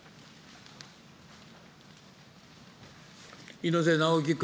猪瀬直樹君。